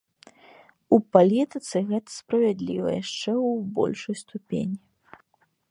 У палітыцы гэта справядліва яшчэ ў большай ступені.